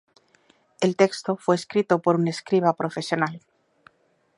El texto fue escrito por un escriba profesional.